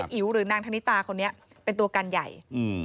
อิ๋วหรือนางธนิตาคนนี้เป็นตัวการใหญ่